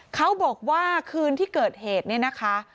เขาบอกว่าคืนที่เกิดเหตุเนี่ยนะคะ